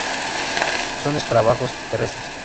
Son escarabajos terrestres.